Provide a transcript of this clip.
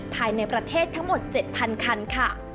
ภายในประเทศทั้งหมด๗๐๐คันค่ะ